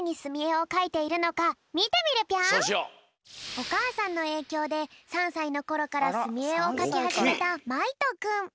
おかあさんのえいきょうで３さいのころからすみえをかきはじめたまいとくん。